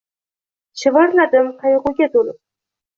Shivirlardim qaygʻuga toʻlib: